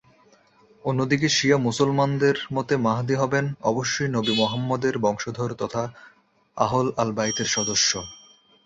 অন্যদিকে শিয়া মুসলমানদের মতে মাহদী হবেন অবশ্যই নবী মুহাম্মদের বংশধর তথা আহল আল-বাইতের সদস্য।